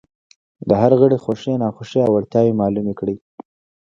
د هر غړي خوښې، ناخوښې او وړتیاوې معلومې کړئ.